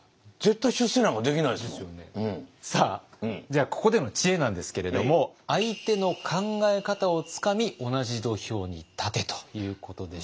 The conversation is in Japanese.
じゃあここでの知恵なんですけれども「相手の考え方をつかみ同じ土俵に立て」ということでした。